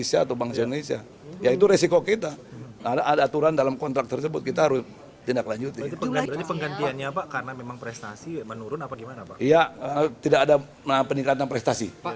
ya tidak ada peningkatan prestasi